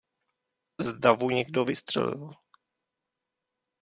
Z davu někdo vystřelil.